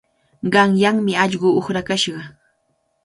Qanyanmi allqu uqrakashqa.